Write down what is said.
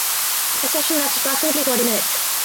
A session lasts approximately forty minutes.